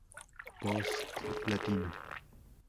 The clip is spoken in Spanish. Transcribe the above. Post Latino.